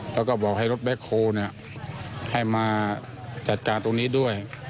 แล้วก็บอกให้รถแบ็คโฮลให้มาจัดการตรงนี้ด้วย